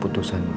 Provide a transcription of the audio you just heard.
aku selalu dampak